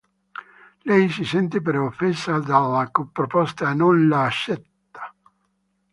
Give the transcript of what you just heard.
Lei si sente però offesa dalla proposta e non la accetta.